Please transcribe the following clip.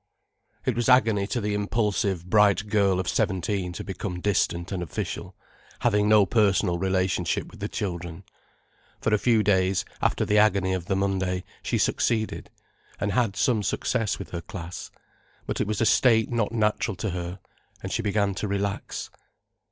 It was agony to the impulsive, bright girl of seventeen to become distant and official, having no personal relationship with the children. For a few days, after the agony of the Monday, she succeeded, and had some success with her class. But it was a state not natural to her, and she began to relax.